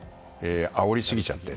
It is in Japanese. あおりすぎちゃって。